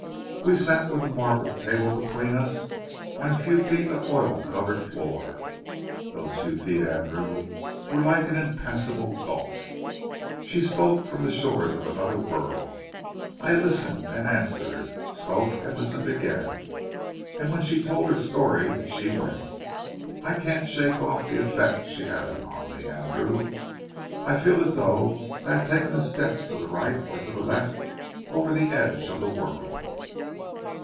We sat with a marble table between us, and a few feet of oil covered floor. Those few feet, Andrew, were like an impassable gulf. She spoke from the shores of another world. I listened and answered, spoke and listened again. And when she told her story, she went. I can't shake off the effect she had upon me, Andrew. I feel as though I had taken a step to the right or to the left over the edge of the world."